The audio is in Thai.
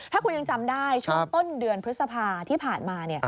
ถ้าคุณยังจำได้ช่วงต้นเดือนพฤษภาที่ผ่านมา